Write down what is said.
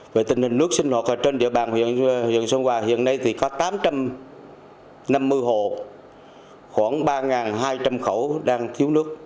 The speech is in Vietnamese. về tình hình nước sinh hoạt ở trên địa bàn huyện sơn hòa hiện nay thì có tám trăm năm mươi hộ khoảng ba hai trăm linh khẩu đang thiếu nước